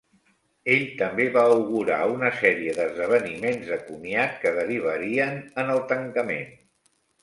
Ell també va augurar una sèrie d'esdeveniments de comiat que derivarien en el tancament.